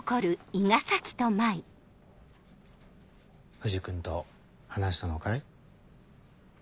藤君と話したのかい？